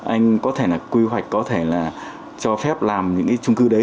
anh có thể là quy hoạch có thể là cho phép làm những cái trung cư đấy